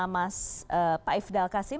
mas pak ifdal qasim